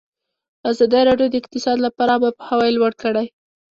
ازادي راډیو د اقتصاد لپاره عامه پوهاوي لوړ کړی.